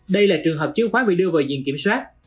đây là trường hợp chứng khoán bị đưa vào diện kiểm soát